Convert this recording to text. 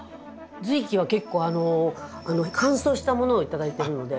芋茎は結構あの乾燥したものを頂いてるので。